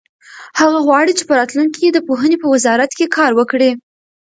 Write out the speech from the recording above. هغه غواړي چې په راتلونکي کې د پوهنې په وزارت کې کار وکړي.